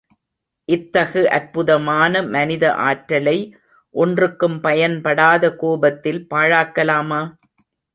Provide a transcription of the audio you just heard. இத்தகு அற்புதமான மனித ஆற்றலை ஒன்றுக்கும் பயன்படாத கோபத்தில் பாழாக்கலாமா?